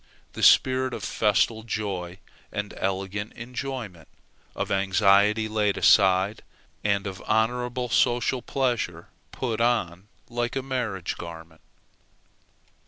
the spirit of festal joy and elegant enjoyment, of anxiety laid aside, and of honorable social pleasure put on like a marriage garment.